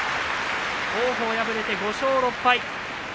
王鵬、敗れて５勝６敗。